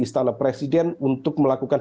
istana presiden untuk melakukan